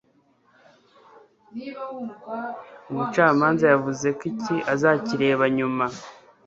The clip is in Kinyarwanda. umucamanza yavuze ko iki azakireba nyuma